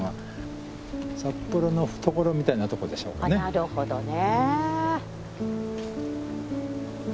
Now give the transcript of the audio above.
なるほどね。